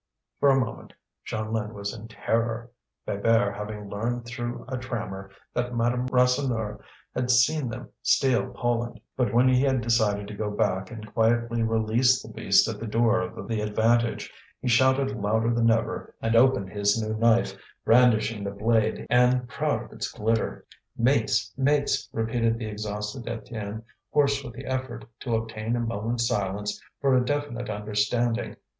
For a moment Jeanlin was in terror, Bébert having learned through a trammer that Madame Rasseneur had seen them steal Poland; but when he had decided to go back and quietly release the beast at the door of the Avantage, he shouted louder than ever, and opened his new knife, brandishing the blade and proud of its glitter. "Mates! mates!" repeated the exhausted Étienne, hoarse with the effort to obtain a moment's silence for a definite understanding.